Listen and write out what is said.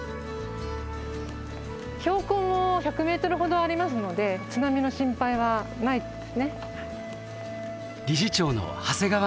標高も１００ｍほどありますので津波の心配はないですね。